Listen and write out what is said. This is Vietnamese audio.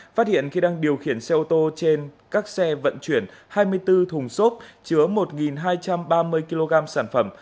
phát hiện khi đang điều khiển xe ô tô trên các xe vận chuyển hai mươi bốn thùng xốp chứa một hai trăm ba mươi kg sản phẩm